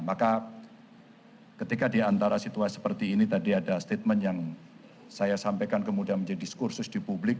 maka ketika di antara situasi seperti ini tadi ada statement yang saya sampaikan kemudian menjadi diskursus di publik